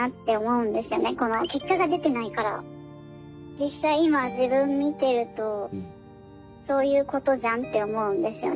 実際今自分見てるとそういうことじゃんって思うんですよね。